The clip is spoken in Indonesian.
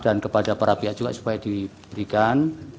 dan kepada para pihak juga supaya diberikan